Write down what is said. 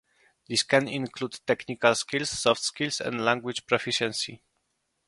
This can include technical skills, soft skills, and language proficiency.